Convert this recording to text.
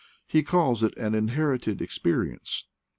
He calls it an inherited experience.